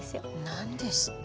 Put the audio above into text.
何ですって？